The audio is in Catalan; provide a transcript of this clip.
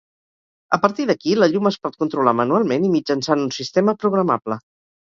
A partir d’aquí, la llum es pot controlar manualment i mitjançant un sistema programable.